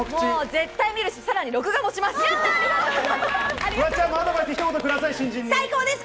絶対見るし、さらに録画もし最高です！